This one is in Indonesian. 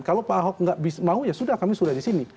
kalau pak ahok nggak mau ya sudah kami sudah di sini